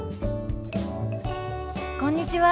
こんにちは。